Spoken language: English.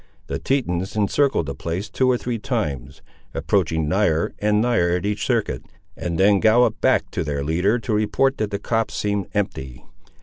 The Tetons encircled the place two or three times, approaching nigher and nigher at each circuit, and then galloped back to their leader to report that the copse seemed empty.